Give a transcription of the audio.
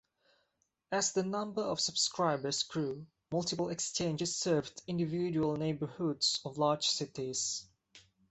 As the number of subscribers grew, multiple exchanges served individual neighborhoods of large cities.